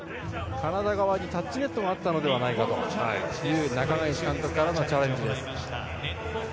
カナダ側にタッチネットがあったのではないかという中垣内監督からのチャレンジです。